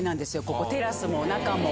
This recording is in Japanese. ここテラスも中も。